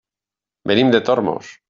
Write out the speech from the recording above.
Venim de Tormos.